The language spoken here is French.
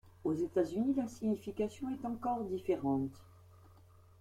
Aux États-Unis, la signification est encore différente.